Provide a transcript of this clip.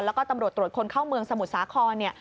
แล้วก็ตำรวจตรวจคนเข้าเมืองสมุทรสาครเนี่ย